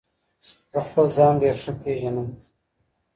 زه خپل ځان ډیر ښه پیژنم.